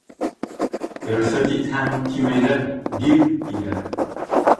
«Рөхсәт итһәң», тимәйҙәр, «бир» тиҙәр.